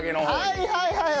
はいはいはい！